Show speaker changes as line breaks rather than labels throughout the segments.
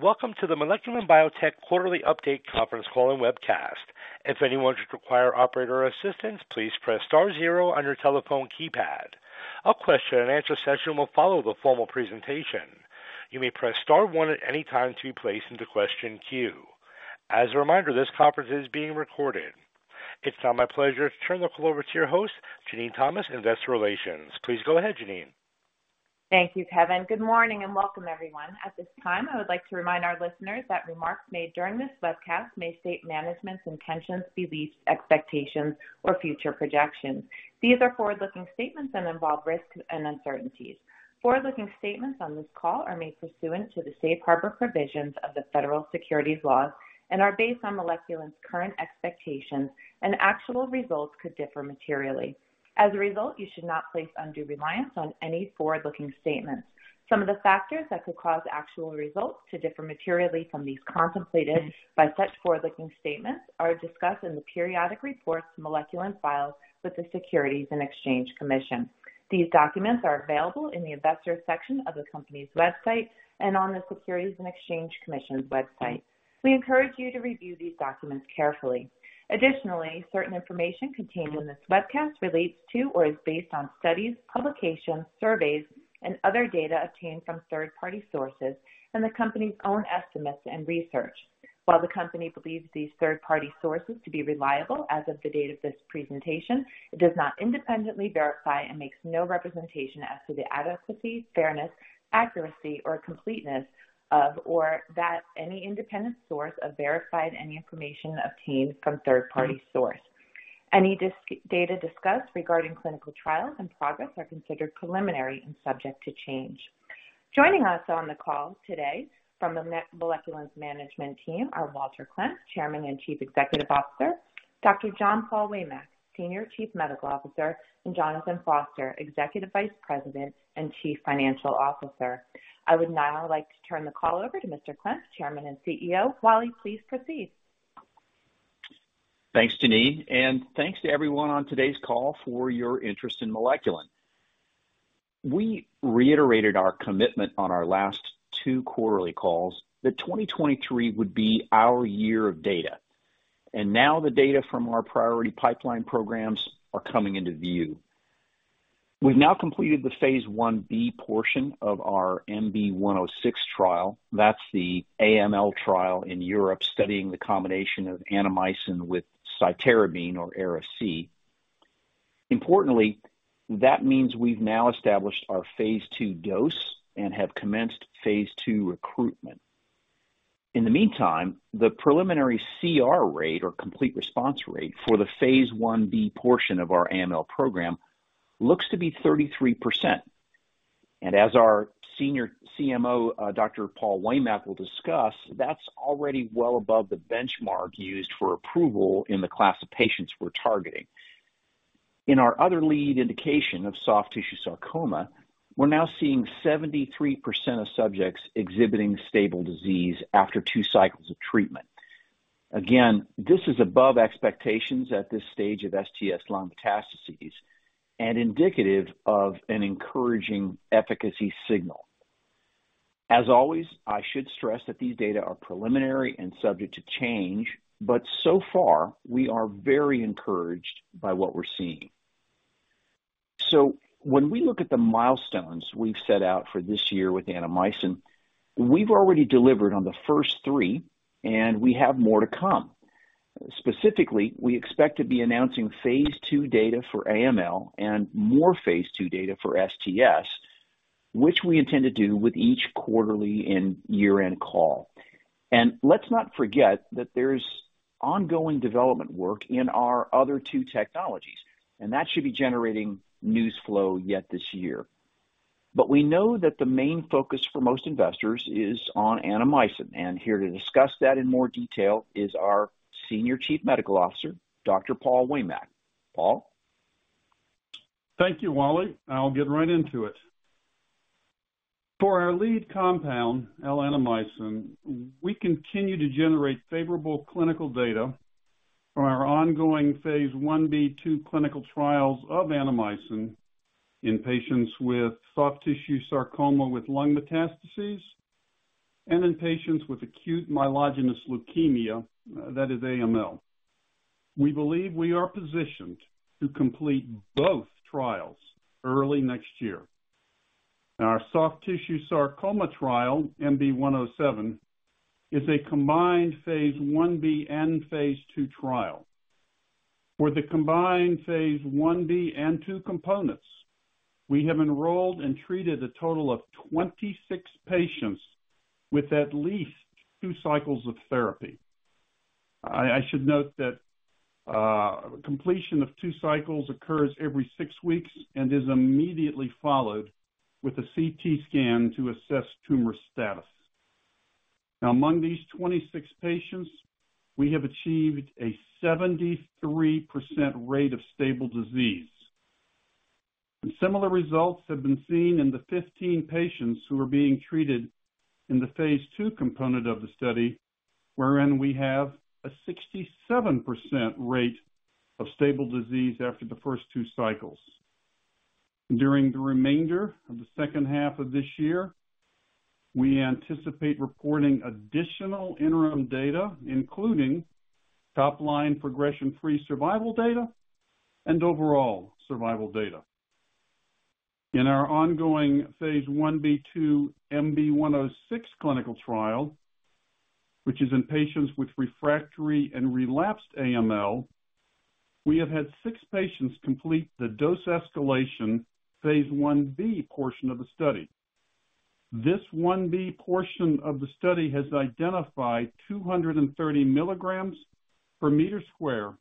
Welcome to the Moleculin Biotech Quarterly Update Conference Call and Webcast. If anyone should require operator assistance, please press star zero on your telephone keypad. A question-and-answer session will follow the formal presentation. You may press star one at any time to be placed into question queue. As a reminder, this conference is being recorded. It's now my pleasure to turn the call over to your host, Jenene Thomas, Investor Relations. Please go ahead, Jenene.
Thank you, Kevin. Good morning, and welcome, everyone. At this time, I would like to remind our listeners that remarks made during this webcast may state management's intentions, beliefs, expectations, or future projections. These are forward-looking statements and involve risks and uncertainties. Forward-looking statements on this call are made pursuant to the safe harbor provisions of the federal securities laws and are based on Moleculin's current expectations, and actual results could differ materially. As a result, you should not place undue reliance on any forward-looking statements. Some of the factors that could cause actual results to differ materially from these contemplated by such forward-looking statements are discussed in the periodic reports Moleculin files with the Securities and Exchange Commission. These documents are available in the Investors section of the company's website and on the Securities and Exchange Commission's website. We encourage you to review these documents carefully. Additionally, certain information contained in this webcast relates to or is based on studies, publications, surveys, and other data obtained from third-party sources and the company's own estimates and research. While the company believes these third-party sources to be reliable as of the date of this presentation, it does not independently verify and makes no representation as to the adequacy, fairness, accuracy, or completeness of, or that any independent source have verified any information obtained from third-party source. Any data discussed regarding clinical trials and progress are considered preliminary and subject to change. Joining us on the call today from the Moleculin's management team are Walter Klemp, Chairman and Chief Executive Officer, Dr. John Paul Waymack, Senior Chief Medical Officer, and Jonathan Foster, Executive Vice President and Chief Financial Officer. I would now like to turn the call over to Mr. Klemp, Chairman and CEO. Wally, please proceed.
Thanks, Jenene, and thanks to everyone on today's call for your interest in Moleculin. We reiterated our commitment on our last two quarterly calls that 2023 would be our year of data, and now the data from our priority pipeline programs are coming into view. We've now completed the phase Ib portion of our MB-106 trial. That's the AML trial in Europe, studying the combination of Annamycin with cytarabine or Ara-C. Importantly, that means we've now established our phase II dose and have commenced phase II recruitment. In the meantime, the preliminary CR rate, or complete response rate, for the phase Ib portion of our AML program looks to be 33%. As our Senior CMO, Dr. Paul Waymack, will discuss, that's already well above the benchmark used for approval in the class of patients we're targeting. In our other lead indication of soft tissue sarcoma, we're now seeing 73% of subjects exhibiting stable disease after two cycles of treatment. Again, this is above expectations at this stage of STS lung metastases and indicative of an encouraging efficacy signal. As always, I should stress that these data are preliminary and subject to change, but so far, we are very encouraged by what we're seeing. When we look at the milestones we've set out for this year with Annamycin, we've already delivered on the first three, and we have more to come. Specifically, we expect to be announcing phase II data for AML and more phase II data for STS, which we intend to do with each quarterly and year-end call. Let's not forget that there's ongoing development work in our other two technologies, and that should be generating news flow yet this year. We know that the main focus for most investors is on Annamycin, and here to discuss that in more detail is our Senior Chief Medical Officer, Dr. Paul Waymack. Paul?
Thank you, Wally. I'll get right into it. For our lead compound, L-Annamycin, we continue to generate favorable clinical data from our phase Ib/II clinical trials of Annamycin in patients with soft tissue sarcoma with lung metastases and in patients with acute myeloid leukemia, that is AML. We believe we are positioned to complete both trials early next year. Our soft tissue sarcoma trial, MB-107, is a combined phase Ib and phase II trial. For the combined phase Ib and 2 components, we have enrolled and treated a total of 26 patients with at least two cycles of therapy. I, I should note that completion of two cycles occurs every six weeks and is immediately followed with a CT scan to assess tumor status. Among these 26 patients, we have achieved a 73% rate of stable disease. Similar results have been seen in the 15 patients who are being treated in the phase II component of the study, wherein we have a 67% rate of stable disease after the first two cycles. During the remainder of the H2 of this year, we anticipate reporting additional interim data, including top-line progression-free survival data and overall survival data. In our phase Ib/II MB-106 clinical trial, which is in patients with refractory and relapsed AML, we have had six patients complete the dose escalation phase Ib portion of the study. This 1B portion of the study has identified 230 milligrams per meter square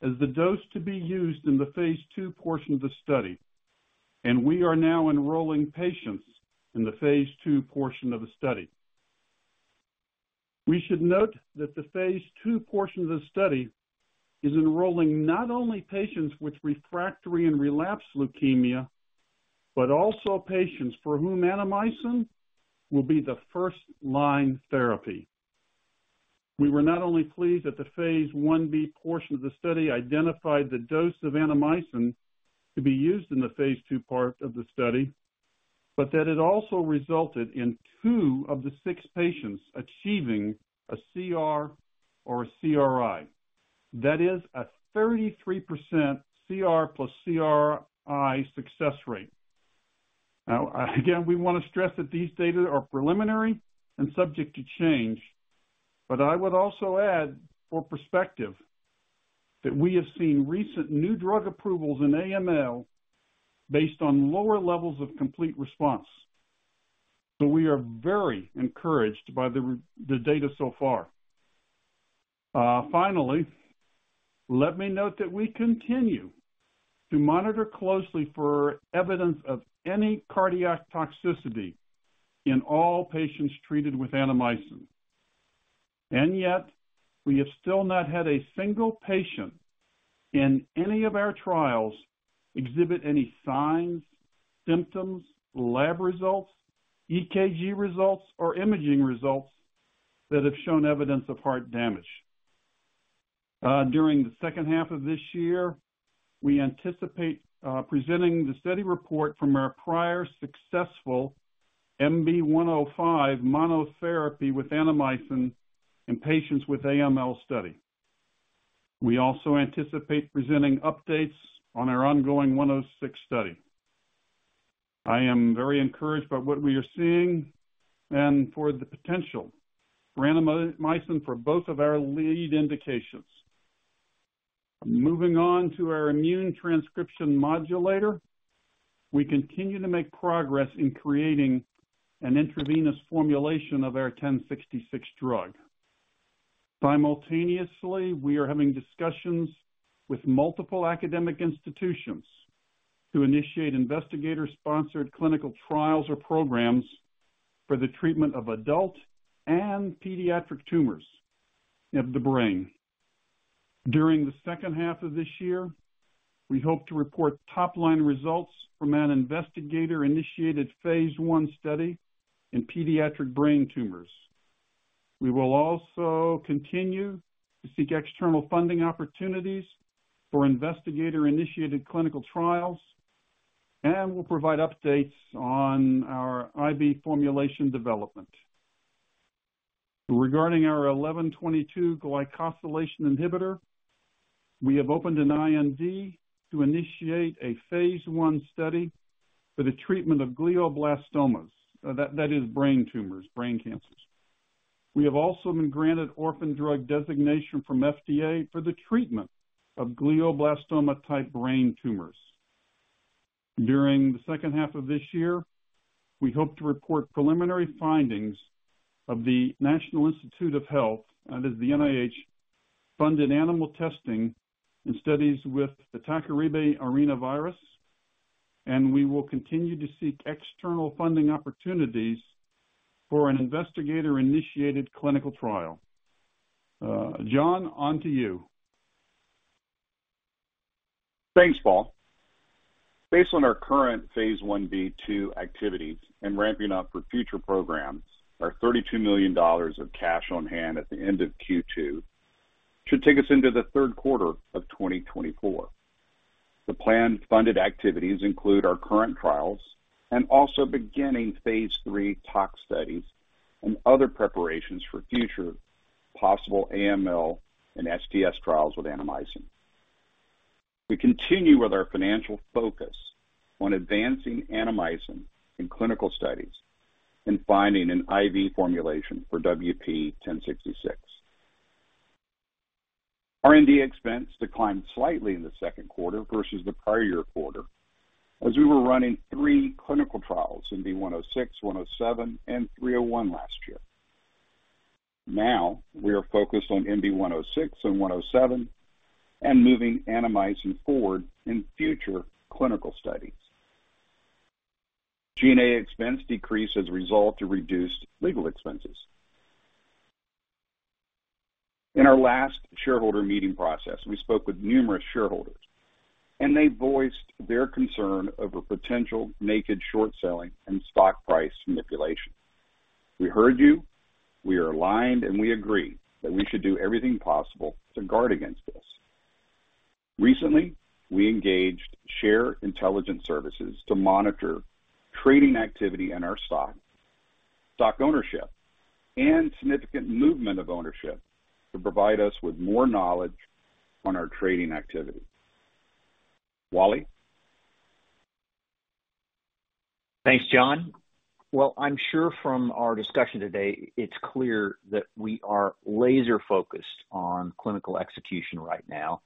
as the dose to be used in the phase II portion of the study, and we are now enrolling patients in the phase II portion of the study. We should note that the phase II portion of the study is enrolling not only patients with refractory and relapsed leukemia, but also patients for whom Annamycin will be the first-line therapy. We were not only pleased that the phase Ib portion of the study identified the dose of Annamycin to be used in the phase II part of the study, but that it also resulted in two of the six patients achieving a CR or a CRI. That is a 33% CR plus CRI success rate. Now, again, we want to stress that these data are preliminary and subject to change, but I would also add, for perspective, that we have seen recent new drug approvals in AML based on lower levels of complete response. We are very encouraged by the data so far. Finally, let me note that we continue to monitor closely for evidence of any cardiac toxicity in all patients treated with Annamycin, and yet we have still not had a single patient in any of our trials exhibit any signs, symptoms, lab results, EKG results, or imaging results that have shown evidence of heart damage. During the H2 of this year, we anticipate presenting the study report from our prior successful MB-105 monotherapy with Annamycin in patients with AML study. We also anticipate presenting updates on our ongoing MB-106 study. I am very encouraged by what we are seeing and for the potential for Annamycin for both of our lead indications. Moving on to our immune transcription modulator, we continue to make progress in creating an intravenous formulation of our WP1066 drug. Simultaneously, we are having discussions with multiple academic institutions to initiate investigator-sponsored clinical trials or programs for the treatment of adult and pediatric tumors of the brain. During the H2 of this year, we hope to report top-line results from an investigator-initiated phase I study in pediatric brain tumors. We will also continue to seek external funding opportunities for investigator-initiated clinical trials, and we'll provide updates on our IV formulation development. Regarding our WP1122 glycosylation inhibitor, we have opened an IND to initiate a phase I study for the treatment of glioblastomas, that is brain tumors, brain cancers. We have also been granted orphan drug designation from FDA for the treatment of glioblastoma-type brain tumors. During the H2 of this year, we hope to report preliminary findings of the National Institutes of Health, that is the NIH, funded animal testing in studies with the Tacaribe arenavirus. We will continue to seek external funding opportunities for an investigator-initiated clinical trial. Jon, on to you.
Thanks, Paul. Based on our phase Ib/II activities and ramping up for future programs, our $32 million of cash on hand at the end of Q2 should take us into the Q3 of 2024. The planned funded activities include our current trials and also beginning phase III tox studies and other preparations for future possible AML and STS trials with Annamycin. We continue with our financial focus on advancing Annamycin in clinical studies and finding an IV formulation for WP1066. R&D expense declined slightly in the Q2 versus the prior year quarter, as we were running three clinical trials, MB-106, MB-107, and MB-301 last year. Now, we are focused on MB-106 and MB-107 and moving Annamycin forward in future clinical studies. G&A expense decreased as a result of reduced legal expenses. In our last shareholder meeting process, we spoke with numerous shareholders, and they voiced their concern over potential naked short selling and stock price manipulation. We heard you. We are aligned. We agree that we should do everything possible to guard against this. Recently, we engaged Shareholder Intelligence Services to monitor trading activity in our stock, stock ownership, and significant movement of ownership to provide us with more knowledge on our trading activity. Wally?
Thanks, Jon. Well, I'm sure from our discussion today, it's clear that we are laser-focused on clinical execution right now.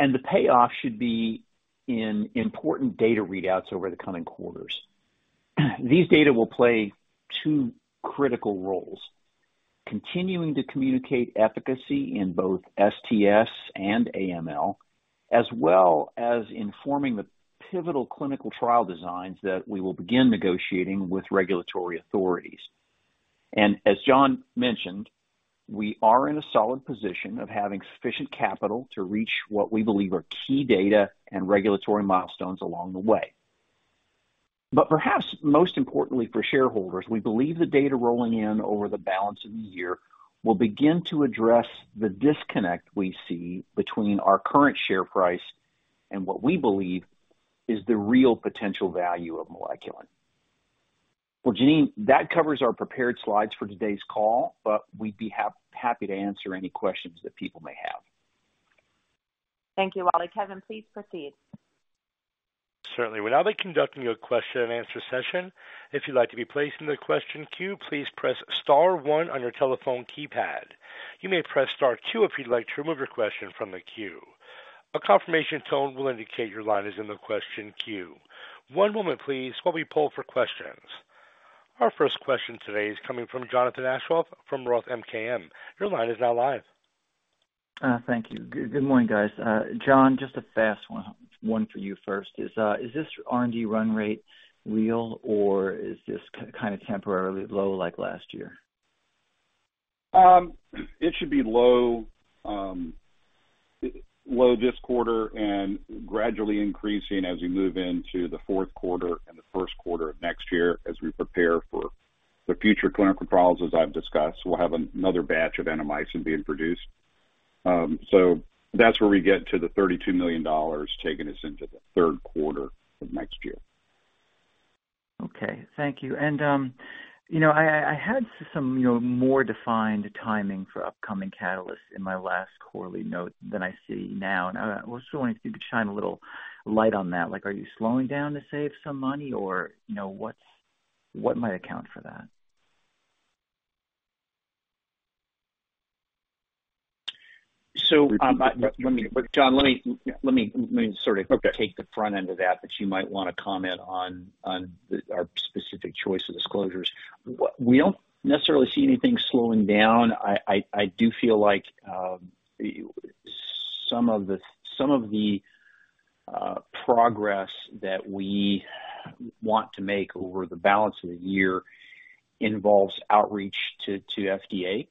The payoff should be in important data readouts over the coming quarters. These data will play two critical roles: continuing to communicate efficacy in both STS and AML, as well as informing the pivotal clinical trial designs that we will begin negotiating with regulatory authorities. As John mentioned, we are in a solid position of having sufficient capital to reach what we believe are key data and regulatory milestones along the way. Perhaps most importantly for shareholders, we believe the data rolling in over the balance of the year will begin to address the disconnect we see between our current share price and what we believe is the real potential value of Moleculin. Well, Jenene, that covers our prepared slides for today's call, but we'd be happy to answer any questions that people may have.
Thank you, Wally. Kevin, please proceed.
Certainly. We'll now be conducting a question-and-answer session. If you'd like to be placed in the question queue, please press star 1 on your telephone keypad. You may press star 2 if you'd like to remove your question from the queue. A confirmation tone will indicate your line is in the question queue. One moment please, while we poll for questions. Our first question today is coming from Jonathan Aschoff from Roth MKM. Your line is now live.
Thank you. Good, good morning, guys. Jon, just a fast one, one for you first. Is this R&D run rate real, or is this kind of temporarily low, like last year?
It should be low, low this quarter and gradually increasing as we move into the Q4 and the Q1 of next year as we prepare for the future clinical trials. As I've discussed, we'll have another batch of Annamycin being produced. That's where we get to the $32 million, taking us into the Q3 of next year.
Okay. Thank you. You know, I, I had some, you know, more defined timing for upcoming catalysts in my last quarterly note than I see now. I was just wondering if you could shine a little light on that. Like, are you slowing down to save some money or, you know, what might account for that?
Jon, let me sort of.
Okay.
-take the front end of that, but you might want to comment on, on the, our specific choice of disclosures. We don't necessarily see anything slowing down. I, I, I do feel like some of the, some of the progress that we want to make over the balance of the year involves outreach to, to FDA.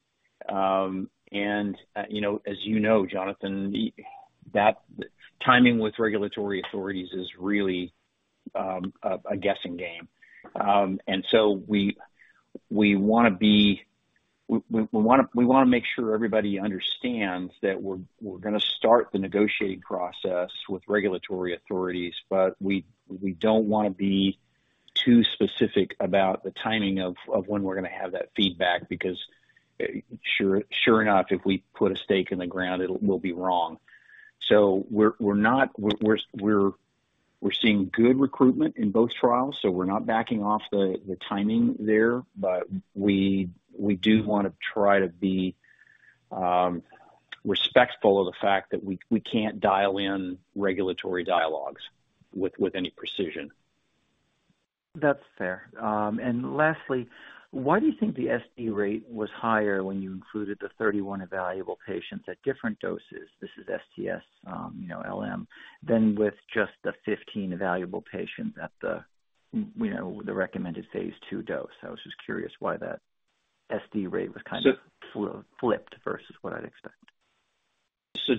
You know, Jonathan, the, that timing with regulatory authorities is really a, a guessing game. So we, we wanna be, we, we, we wanna, we wanna make sure everybody understands that we're, we're gonna start the negotiating process with regulatory authorities, but we, we don't wanna be too specific about the timing of, of when we're gonna have that feedback, because sure, sure enough, if we put a stake in the ground, it'll, we'll be wrong. So we're, we're not... We're seeing good recruitment in both trials, so we're not backing off the timing there. We do wanna try to be respectful of the fact that we can't dial in regulatory dialogues with any precision.
That's fair. Lastly, why do you think the SD rate was higher when you included the 31 evaluable patients at different doses, this is STS, you know, LM, than with just the 15 evaluable patients at the, you know, the recommended phase II dose? I was just curious why that SD rate was kind of.
So-
flipped versus what I'd expect.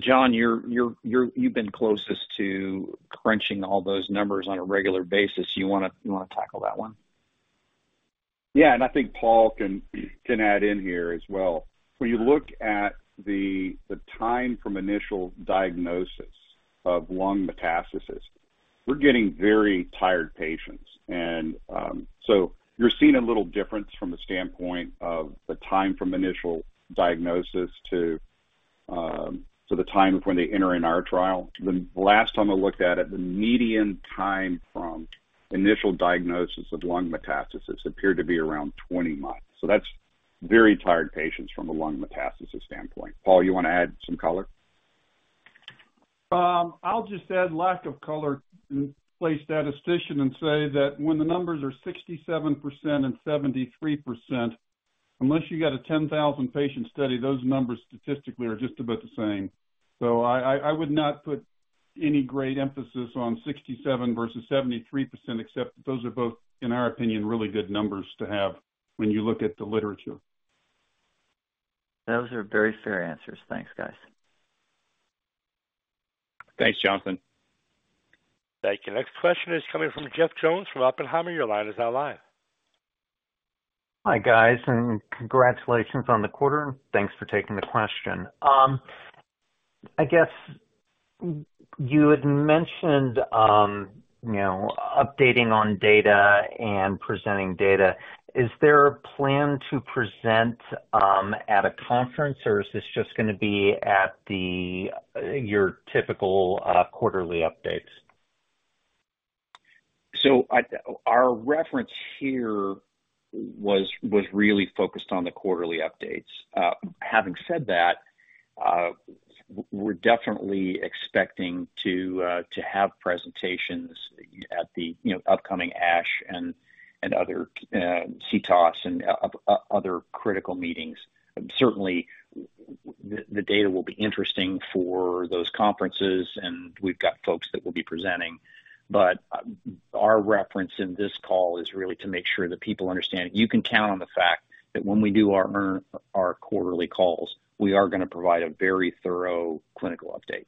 Jon, you've been closest to crunching all those numbers on a regular basis. You wanna tackle that one?
Yeah, I think Paul can, can add in here as well. When you look at the, the time from initial diagnosis of lung metastasis, we're getting very tired patients. So you're seeing a little difference from the standpoint of the time from initial diagnosis to the time of when they enter in our trial. The last time I looked at it, the median time from initial diagnosis of lung metastasis appeared to be around 20 months. So that's very tired patients from a lung metastasis standpoint. Paul, you wanna add some color?
I'll just add lack of color and play statistician and say that when the numbers are 67% and 73%, unless you got a 10,000-patient study, those numbers statistically are just about the same. I, I, I would not put any great emphasis on 67 versus 73%, except those are both, in our opinion, really good numbers to have when you look at the literature.
Those are very fair answers. Thanks, guys.
Thanks, Jonathan.
Thank you. Next question is coming from Jeff Jones from Oppenheimer. Your line is now live.
Hi, guys, congratulations on the quarter. Thanks for taking the question. I guess you had mentioned, you know, updating on data and presenting data. Is there a plan to present at a conference, or is this just going to be at your typical quarterly updates?
Our reference here was, was really focused on the quarterly updates. Having said that, we're definitely expecting to have presentations at the, you know, upcoming ASH and other CTOS and other critical meetings. Certainly, the, the data will be interesting for those conferences, and we've got folks that will be presenting. Our reference in this call is really to make sure that people understand, you can count on the fact that when we do our quarterly calls, we are going to provide a very thorough clinical update.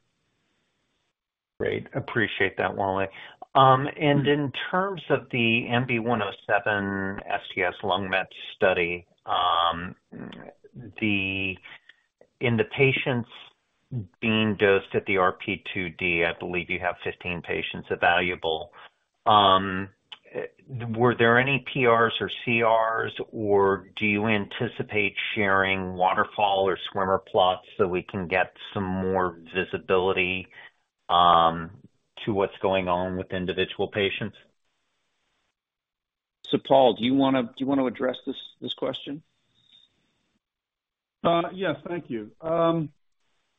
Great. Appreciate that, Wally. In terms of the MB-107 STS lung Mets study, in the patients being dosed at the RP2D, I believe you have 15 patients evaluable. Were there any PRs or CRs, or do you anticipate sharing waterfall or swimmer plots so we can get some more visibility to what's going on with individual patients?
Paul, do you want to, do you want to address this, this question?
Yes. Thank you.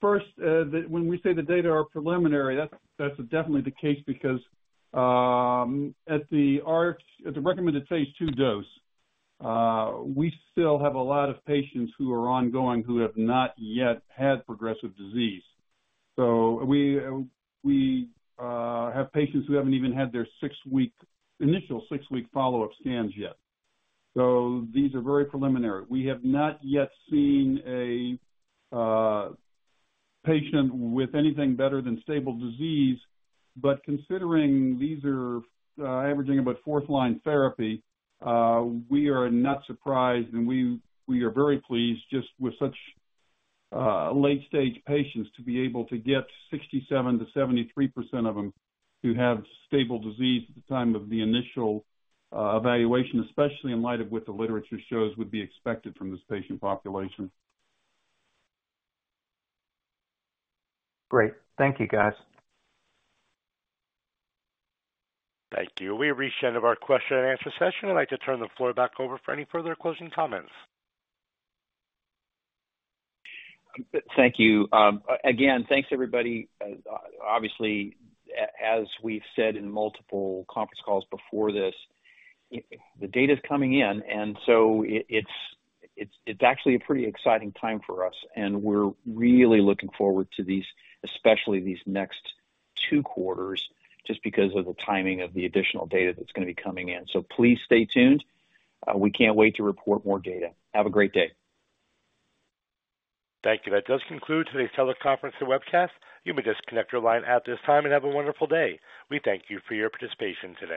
First, the, when we say the data are preliminary, that's, that's definitely the case because at the arch, at the recommended phase II dose, we still have a lot of patients who are ongoing who have not yet had progressive disease. We have patients who haven't even had their six week, initial six week follow-up scans yet. These are very preliminary. We have not yet seen a patient with anything better than stable disease, but considering these are averaging about 4th-line therapy, we are not surprised, and we, we are very pleased, just with such late-stage patients, to be able to get 67%-73% of them who have stable disease at the time of the initial evaluation, especially in light of what the literature shows would be expected from this patient population.
Great. Thank you, guys.
Thank you. We've reached the end of our question-and-answer session. I'd like to turn the floor back over for any further closing comments.
Thank you. Again, thanks, everybody. Obviously, as we've said in multiple conference calls before this, the data's coming in, and so it's actually a pretty exciting time for us, and we're really looking forward to these, especially these next two quarters, just because of the timing of the additional data that's going to be coming in. Please stay tuned. We can't wait to report more data. Have a great day.
Thank you. That does conclude today's teleconference and webcast. You may disconnect your line at this time and have a wonderful day. We thank you for your participation today.